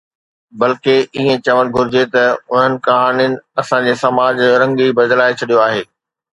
بلڪه ائين چوڻ گهرجي ته انهن ڪهاڻين اسان جي سماج جو رنگ ئي بدلائي ڇڏيو آهي